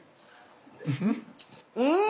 うん！